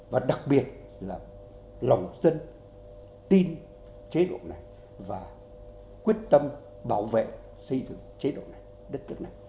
và đặc biệt là lòng dân tin chế độ này và quyết tâm bảo vệ xây dựng chế độ này đất nước này